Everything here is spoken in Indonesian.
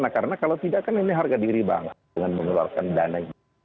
karena kalau tidak ini harga diri banget dengan mengeluarkan dana